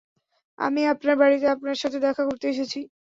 আমি আপনার বাড়িতে আপনার সাথে দেখা করতে এসেছি।